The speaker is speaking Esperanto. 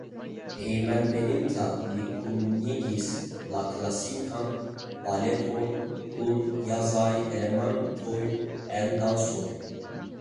Hejmenveninta li kunigis la klasikan baleton kun ĵazaj elementoj en dancoj.